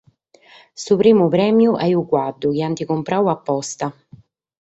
Su primu prèmiu est unu caddu, chi ant comporadu aposta.